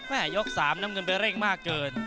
ไม่หายกสามน้ำกลางไปเร่งมากเกิน